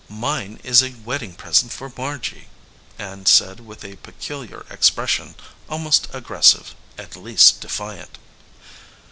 "Mine is a wedding present for Margy," Ann said with a peculiar expression, almost aggressive, at least defiant.